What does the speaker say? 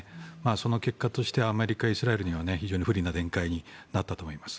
その結果としてアメリカ、イスラエルには非常に不利な展開になったと思います。